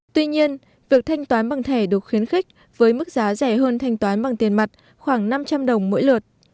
tuy nhiên việc thanh toán bằng thẻ được khuyến khích với mức giá rẻ hơn thanh toán bằng tiền mặt khoảng năm trăm linh đồng mỗi lượt